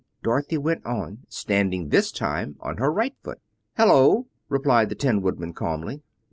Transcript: Dorothy went on, standing this time on her right foot. "Hello!" replied the Tin Woodman calmly.